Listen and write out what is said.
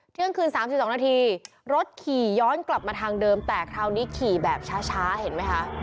เที่ยงคืน๓๒นาทีรถขี่ย้อนกลับมาทางเดิมแต่คราวนี้ขี่แบบช้าเห็นไหมคะ